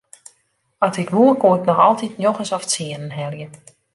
At ik woe koe ik wol altyd njoggens of tsienen helje.